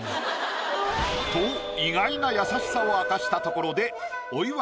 と意外な優しさを明かしたところで。